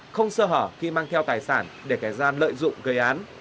không sơ hở khi mang theo tài sản để kẻ gian lợi dụng gây án